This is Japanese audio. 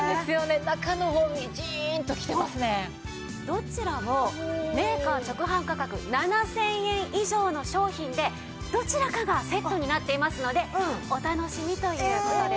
どちらもメーカー直販価格７０００円以上の商品でどちらかがセットになっていますのでお楽しみという事ですね。